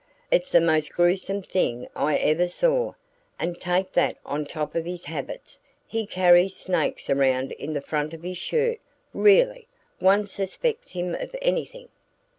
It's the most gruesome thing I ever saw; and take that on top of his habits he carries snakes around in the front of his shirt really, one suspects him of anything."